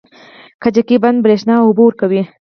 کجکي بند بریښنا او اوبه ورکوي